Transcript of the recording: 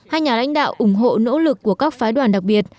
hai nhà lãnh đạo ủng hộ nỗ lực của các phái đoàn đặc biệt